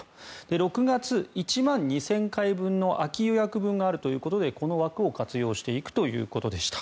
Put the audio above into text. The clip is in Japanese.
６月、１万２０００回分の空き予約枠があるということでこの枠を活用していくということでした。